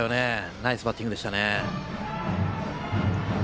ナイスバッティングでしたね。